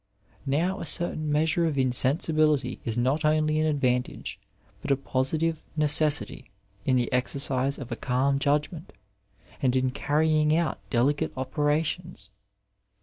Now a certain measure of insensibility is not only an advantage, but a positive necessity in the exercise of a calm judgment, and in carrying out delicate operations.